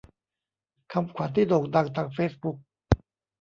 คำขวัญที่โด่งดังของเฟซบุ๊ก